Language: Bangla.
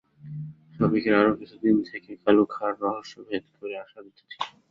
সফিকের আরো কিছুদিন থেকে কালু খাঁর রহস্য ভেদ করে আসার ইচ্ছা ছিল।